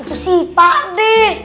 itu sih pak d